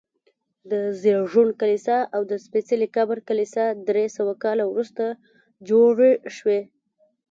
د زېږون کلیسا او د سپېڅلي قبر کلیسا درې سوه کاله وروسته جوړې شوي.